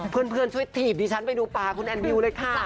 เพื่อนช่วยถีบดิฉันไปดูปลาคุณแอนวิวเลยค่ะ